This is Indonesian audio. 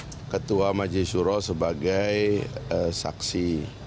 menjadikan ketua majelis syurah sebagai saksi